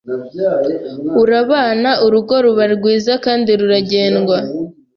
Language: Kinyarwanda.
urabana urugo ruba rwiza kandi ruragendwa